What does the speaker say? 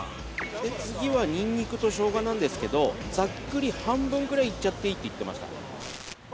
次はニンニクとショウガなんですけれども、ざっくり半分ぐらいいっちゃっていいって言ってました。